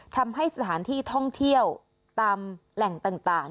ทำให้สถานที่ท่องเที่ยวตามแหล่งต่าง